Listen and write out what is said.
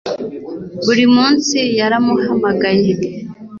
buri munsi yaramuhamagaye